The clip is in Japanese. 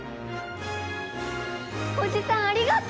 おじさんありがとう！